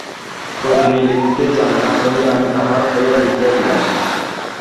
রজনী লিখিতে জানে না বলিয়া আমি তাহার হইয়া লিখিয়া দিলাম।